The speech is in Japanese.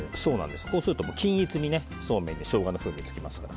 こうすると均一にそうめんがショウガの風味が付きますから。